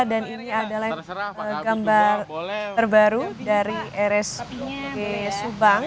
dan ini adalah gambar terbaru dari rsp subang